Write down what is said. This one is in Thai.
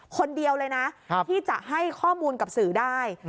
คนเดียวเลยนะที่จะให้ข้อมูลกับสื่อได้